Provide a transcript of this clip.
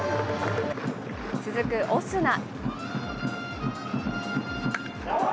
続くオスナ。